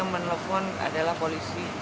penelpon adalah polisi